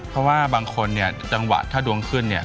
เพราะว่าบางคนเนี่ยจังหวะถ้าดวงขึ้นเนี่ย